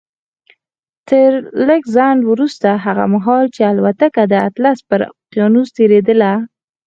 تر لږ ځنډ وروسته هغه مهال چې الوتکه د اطلس پر اقيانوس تېرېدله.